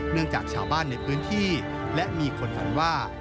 จากชาวบ้านในพื้นที่และมีคนฝันว่า